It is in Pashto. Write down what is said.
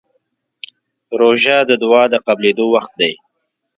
روژه د دعا قبولېدو وخت دی.